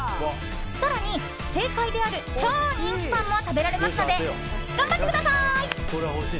更に正解である超人気パンも食べられますので頑張ってください。